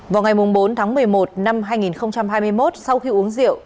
vào ngày bốn tháng một mươi một năm hai nghìn hai mươi một sau khi uống rượu